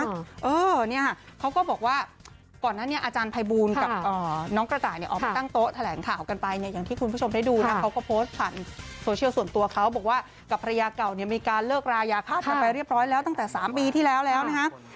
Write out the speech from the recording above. เออเนี่ยค่ะเขาก็บอกว่าก่อนนั้นเนี่ยอาจารย์ภัยบูลกับน้องกระต่ายเนี่ยออกมาตั้งโต๊ะแถลงข่าวกันไปเนี่ยอย่างที่คุณผู้ชมได้ดูนะเขาก็โพสต์ผ่านโซเชียลส่วนตัวเขาบอกว่ากับภรรยาเก่าเนี่ยมีการเลิกรายาภาพกันไปเรียบร้อยแล้วตั้งแต่๓ปีที่แล้วแล้วนะฮะ